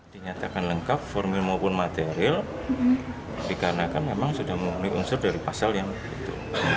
dinyatakan lengkap formil maupun material dikarenakan memang sudah memenuhi unsur dari pasal yang begitu